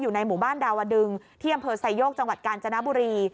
ในหมู่บ้านดาวดึงที่อำเภอไซโยกจังหวัดกาญจนบุรี